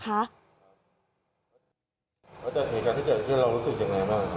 เกิดเหตุการณ์ที่เกิดขึ้นเรารู้สึกอย่างไรบ้าง